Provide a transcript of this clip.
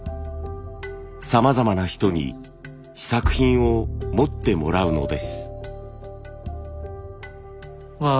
さまざまな人に試作品を持ってもらうのです。